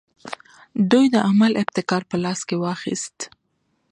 دوی د عمل ابتکار په لاس کې واخیست.